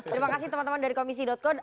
terima kasih teman teman dari komisi co